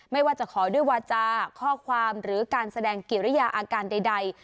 ไม่ว่าจะขอด้วยวาจาข้อความหรือการแสดงกิริยาอาการใด